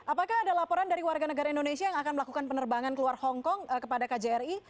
apakah ada laporan dari warga negara indonesia yang akan melakukan penerbangan keluar hongkong kepada kjri